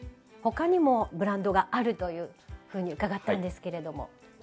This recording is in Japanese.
他にもブランドがあるというふうに伺ったんですけれども。